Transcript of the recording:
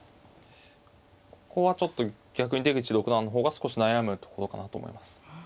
ここはちょっと逆に出口六段の方が少し悩むところかなと思います。